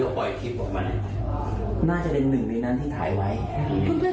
อยู่กับพวกนี้นะเอ้ามันต้องไปเชียงใหม่กับคุณ